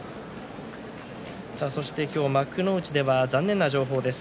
今日、幕内では残念な情報です。